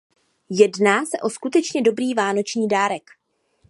Jedná se o skutečně dobrý vánoční dárek.